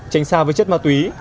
tranh xa với chất ma túy